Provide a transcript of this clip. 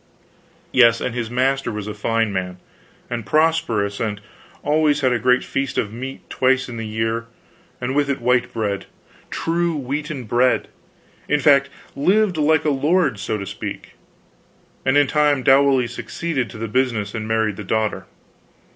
Yes, and his master was a fine man, and prosperous, and always had a great feast of meat twice in the year, and with it white bread, true wheaten bread; in fact, lived like a lord, so to speak. And in time Dowley succeeded to the business and married the daughter.